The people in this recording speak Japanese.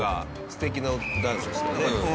素敵なダンスでしたね。